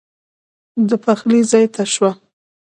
د پخلي ځای ته شوه.